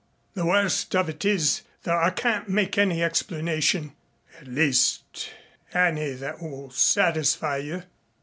The worst of it is that I can't make any explanation at least any that will satisfy you.